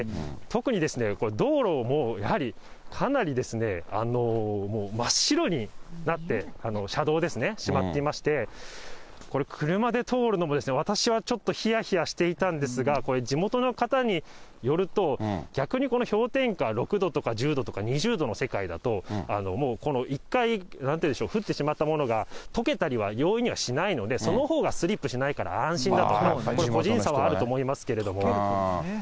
特に、道路をもう、やはり、かなりですね、もう真っ白になって、車道ですね、なってしまっていまして、これ、車で通るのも私はちょっと、ひやひやしていたんですが、これ、地元の方によると、逆にこの氷点下６度とか１０度とか２０度の世界だと、もうこの一回、なんていうんでしょう、降ってしまったものが、とけたりは容易にはしないので、そのほうがスリップしないから安心だと、これ個人差はあると思いますけれども。